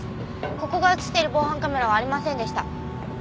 ここが映っている防犯カメラはありませんでした。